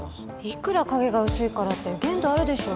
いくら影が薄いからって限度あるでしょ